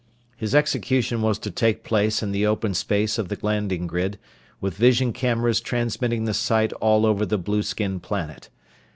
His execution was to take place in the open space of the landing grid, with vision cameras transmitting the sight over all the blueskin planet.